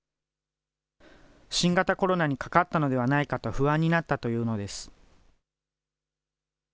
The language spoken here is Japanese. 新型コロナにかかったのではないかと不安になったというのです。